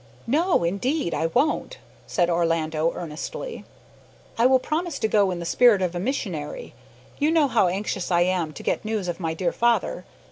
"No, indeed, I won't," said Orlando earnestly. "I will promise to go in the spirit of a missionary. You know how anxious I am to get news of my dear father.